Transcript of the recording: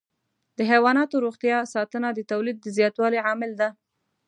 د حيواناتو روغتیا ساتنه د تولید د زیاتوالي عامل ده.